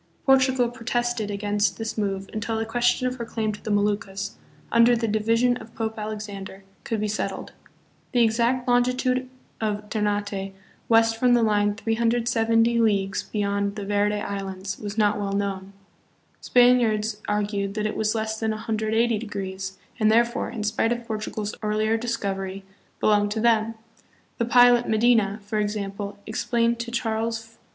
Portugal protested against this move until the question of her claim to the Moluccas, under the division of Pope Alexander, could be settled. The exact longitude of Ter nate west from the line 370 leagues beyond the Verde Islands was not well known. Spaniards argued that it was less than 180 degrees, and, therefore, in spite of Por tugal's earlier discovery, belonged to them. The pilot, Medina, for example, explained to Charles V.